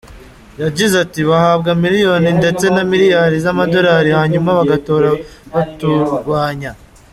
Yagize ati “Bahabwa miliyoni ndetse na miliyari z’amadolari hanyuma bagatora baturwanya.